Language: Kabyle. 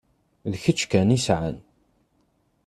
D kečč kan i sɛan.